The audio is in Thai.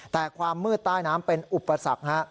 แต่ความมืดใต้น้ำเป็นอุปสรรค